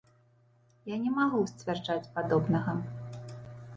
Я не магу сцвярджаць падобнага.